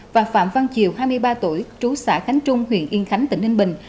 và phạm văn chiều hai mươi ba tuổi trú xã khánh trung huyện yên khánh tỉnh ninh bình